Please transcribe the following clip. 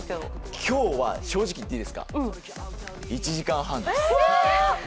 今日は、正直言っていいですか、１時間半です。